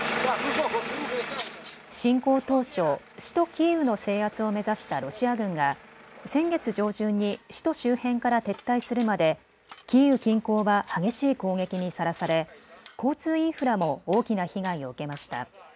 侵攻当初、首都キーウの制圧を目指したロシア軍が先月上旬に首都周辺から撤退するまでキーウ近郊は激しい攻撃にさらされ交通インフラも大きな被害を受けました。